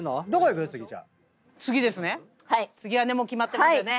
次はねもう決まってますよね。